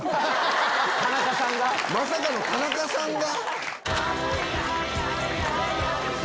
まさかの田中さんが？